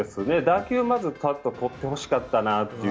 打球をまずちゃんととってほしかったなと。